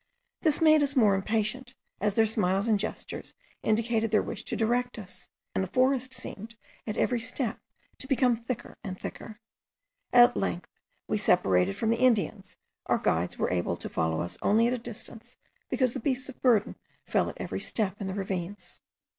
This made us the more impatient, as their smiles and gestures indicated their wish to direct us; and the forest seemed at every step to become thicker and thicker. At length we separated from the Indians; our guides were able to follow us only at a distance, because the beasts of burden fell at every step in the ravines.